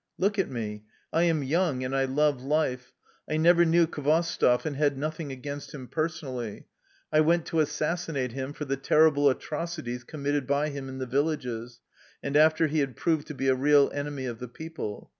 Look at me. I am young, and I love life. I never knew Khvostoff, and had nothing against him personally. I went to as sassinate him for the terrible atrocities commit ted by him in the villages, and after he had proved to be a real enemy of the people.